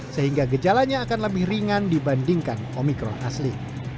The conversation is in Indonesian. sehingga gejalanya akan lebih ringan dibandingkan omikron asli